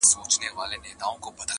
د ده کور د کندهاريانو